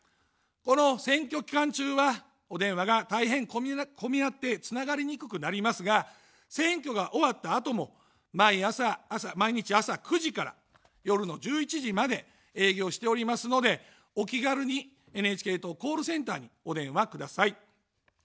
この選挙期間中は、お電話が大変混み合ってつながりにくくなりますが、選挙が終わったあとも毎日朝９時から夜の１１時まで営業しておりますので、お気軽にＮＨＫ党コールセンターにお電話ください。